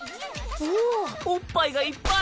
おおおっぱいがいっぱい。